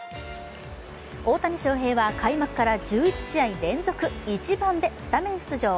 大谷翔平は、開幕から１１試合連続１番でスタメン出場。